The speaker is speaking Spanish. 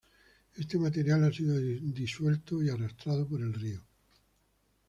Este material ha sido disuelto y arrastrado por el río.